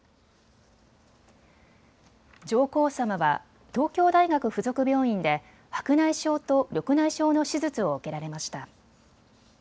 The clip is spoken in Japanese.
上皇さまは東京大学附属病院で白内障と緑内障の手術を受けられました。